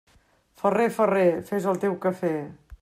Ferrer, ferrer, fes el teu quefer.